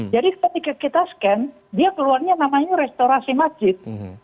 jadi ketika kita scan dia keluarnya namanya restorasi masjid